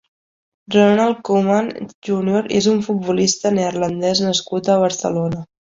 Ronald Koeman júnior és un futbolista neerlandès nascut a Barcelona.